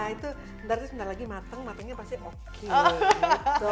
itu nanti sebentar lagi mateng matengnya pasti oke